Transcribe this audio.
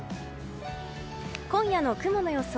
今夜の雲の予想。